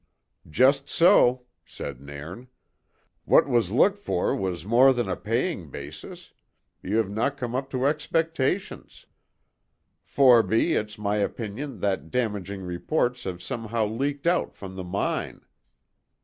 "Just so," said Nairn. "What was looked for was mair than a paying basis ye have no come up to expectations. Forby, it's my opinion that damaging reports have somehow leaked out from the mine.